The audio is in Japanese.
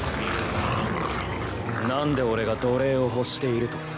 何で俺が奴隷を欲していると？